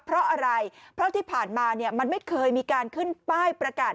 เพราะอะไรเพราะที่ผ่านมาเนี่ยมันไม่เคยมีการขึ้นป้ายประกาศ